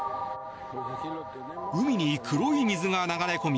海に黒い水が流れ込み